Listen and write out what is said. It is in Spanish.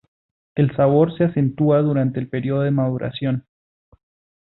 El sabor se acentúa durante el periodo de maduración.